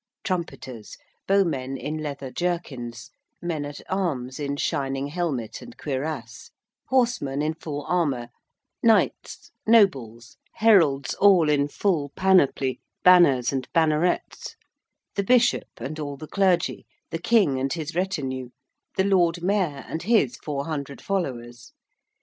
Trumpeters, bowmen in leather jerkins, men at arms in shining helmet and cuirass, horsemen in full armour, knights, nobles, heralds all in full panoply, banners and bannerets, the Bishop and all the clergy, the King and his retinue, the Lord Mayor and his four hundred followers.